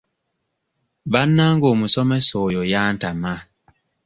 Bannange omusomesa oyo yantama.